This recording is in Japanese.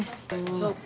そうか。